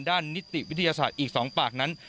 นิติวิทยาศาสตร์อีก๒ปากนั้น